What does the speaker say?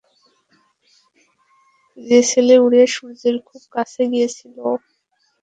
যে ছেলে উড়ে সূর্যের খুব কাছে গিয়েছিল।